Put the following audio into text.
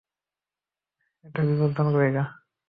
এটা বিপজ্জনক জায়গা।